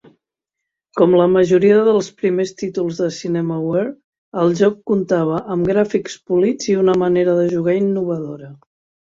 Com la majoria dels primers títols de Cinemaware, el joc comptava amb gràfics polits i una manera de jugar innovadora.